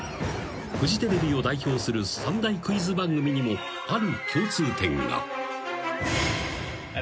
［フジテレビを代表する３大クイズ番組にもある共通点が］